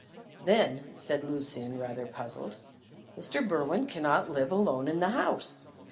"Then," said Lucian, rather puzzled, "Mr. Berwin cannot live alone in the house."